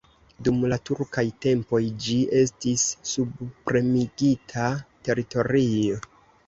Dum la turkaj tempoj ĝi estis subpremigita teritorio.